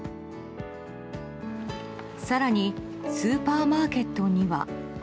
更に、スーパーマーケットには。